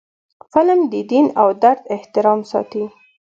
فلم د دین او دود احترام ساتي